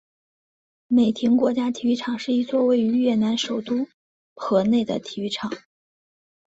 美亭国家体育场是一座位于越南首都河内的体育场。